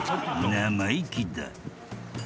生意気だ］